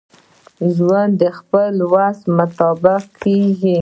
ژوند دخپل وس مطابق کیږي.